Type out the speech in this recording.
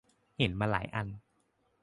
เห็นมาหลายอัน